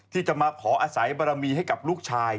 ที่จะมาขออาศัยบารมีให้กับลูกชาย